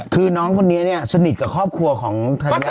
คือน้องคนนี้เนี่ยสนิทกับครอบครัวของภรรยา